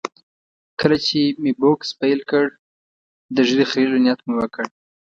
کله چې مې بوکس پیل کړ، د ږیرې خریلو نیت مې وکړ.